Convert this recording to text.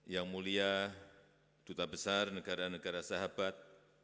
yang mulia duta besar negara negara sahabat